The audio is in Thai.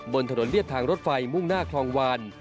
บนถนนเรียบทางรถไฟมุ่งหน้าคลองวาน